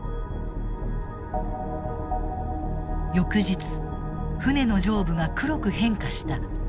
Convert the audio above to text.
翌日船の上部が黒く変化した。